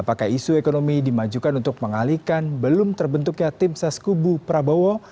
apakah isu ekonomi dimajukan untuk mengalihkan belum terbentuknya tim ses kubu prabowo